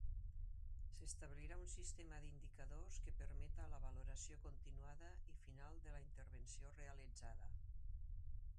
S'establirà un sistema d'indicadors que permeta la valoració continuada i final de la intervenció realitzada.